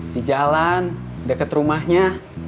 di jalan deket rumahnya